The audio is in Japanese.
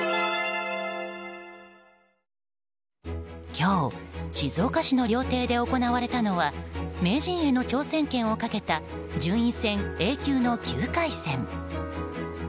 今日、静岡市の料亭で行われたのは名人への挑戦権をかけた順位戦Ａ級の９回戦。